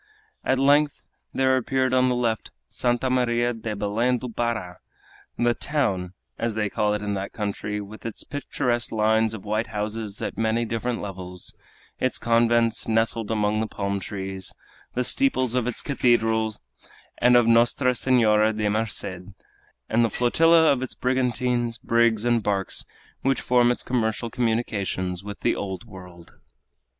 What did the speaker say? At length there appeared on the left Santa Maria de Belem do Para the "town" as they call it in that country with its picturesque lines of white houses at many different levels, its convents nestled among the palm trees, the steeples of its cathedral and of Nostra Senora de Merced, and the flotilla of its brigantines, brigs, and barks, which form its commercial communications with the old world.